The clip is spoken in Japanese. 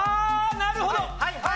なるほど！